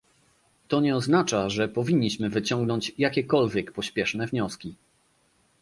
To nie oznacza, że powinniśmy wyciągnąć jakiekolwiek pośpieszne wnioski